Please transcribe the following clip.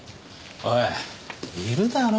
おいいるだろ？